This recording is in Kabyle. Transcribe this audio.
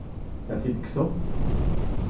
Ad t-id-tekkseḍ?